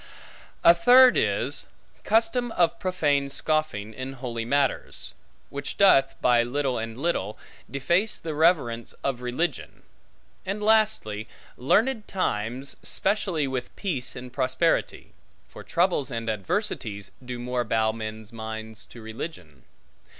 A third is, custom of profane scoffing in holy matters; which doth, by little and little, deface the reverence of religion. And lastly, learned times, specially with peace and prosperity; for troubles and adversities do more bow men's minds to religion.